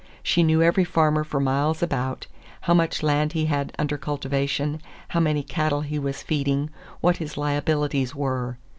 She knew every farmer for miles about; how much land he had under cultivation, how many cattle he was feeding, what his liabilities were.